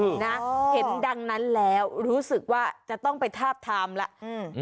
นะเห็นดังนั้นแล้วรู้สึกว่าจะต้องไปทาบทามแล้วอืม